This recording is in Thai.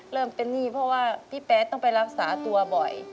เริ่มเป็นหนี้เพราะว่าพี่แป๊ดต้องไปรักษาตัวบ่อย